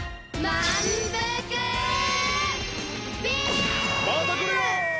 またくるよ！